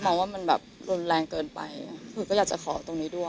ว่ามันแบบรุนแรงเกินไปคือก็อยากจะขอตรงนี้ด้วย